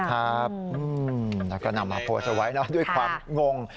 ครับแล้วก็นำมาโพสเตอร์ไว้ด้วยความงง